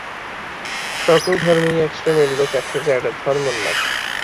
সকল ধর্মেই একশ্রেণীর লোক আছে, যাহারা ধর্মোন্মাদ।